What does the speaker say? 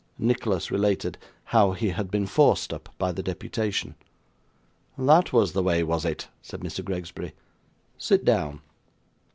Nicholas related how he had been forced up by the deputation. 'That was the way, was it?' said Mr. Gregsbury. 'Sit down.